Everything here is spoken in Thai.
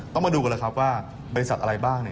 ต้องมาดูกันเลยครับว่าบริษัทอะไรบ้าง